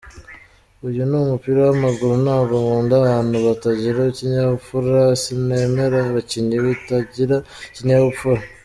Uyu ni umupira w’amaguru ntabwo nkunda abantu batagira ikinyabupfura, sinemera abakinnyi batagira ikinyabupfura.